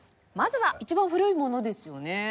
まずは一番古いものですよね。